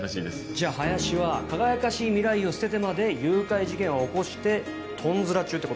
じゃあ林は輝かしい未来を捨ててまで誘拐事件を起こしてトンズラ中ってことっすか？